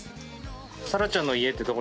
さらちゃんの家ってどこ？